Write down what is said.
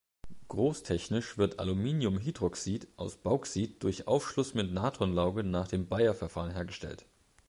Großtechnisch wird Aluminiumhydroxid aus Bauxit durch Aufschluss mit Natronlauge nach dem Bayer-Verfahren hergestellt.